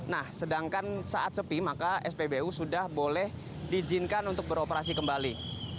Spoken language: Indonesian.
nah sedangkan saat sepi maka spbu sudah boleh diizinkan untuk beroperasi kembali